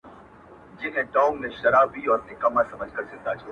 زه خو يې ډېر قدر كړم چي دا پكــــي مــوجـــوده وي!